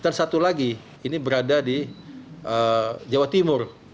dan satu lagi ini berada di jawa timur